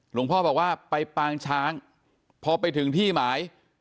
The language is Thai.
หลวงพ่อบอกว่าไปปางช้างพอไปถึงที่หมาย